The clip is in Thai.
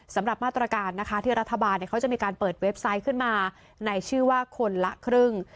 สำหรับมาตรการนะคะที่รัฐบาลเขาจะมีการเปิดเว็บไซต์ขึ้นมาในชื่อว่าคนละครึ่ง